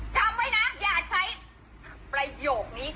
จำไว้นะอย่าใช้ประโยคนี้